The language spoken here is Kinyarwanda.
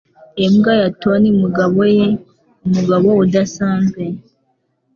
Imbwa yatonmugaboye umugabo udasanzwe.